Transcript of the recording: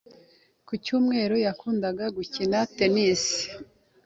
Ku cyumweru, yakundaga gukina tennis.